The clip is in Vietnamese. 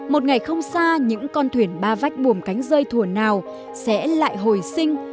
một ngày không xa những con thuyền ba vách buồm cánh rơi thùa nào sẽ lại hồi sinh